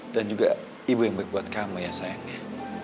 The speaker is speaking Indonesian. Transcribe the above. dan juga ibu yang baik buat kamu ya sayangnya